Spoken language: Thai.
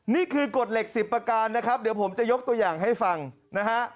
นี่คือกฎเหล็ก๑๐ประการนะครับเดี๋ยวผมจะยกตัวอย่างให้ฟังนะฮะ